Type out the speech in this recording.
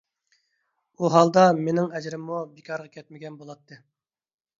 ئۇ ھالدا مېنىڭ ئەجرىممۇ بىكارغا كەتمىگەن بولاتتى.